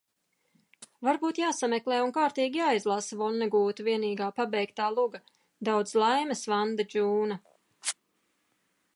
Varbūt jāsameklē un kārtīgi jāizlasa Vonnegūta vienīgā pabeigtā luga "Daudz laimes, Vanda Džūna"?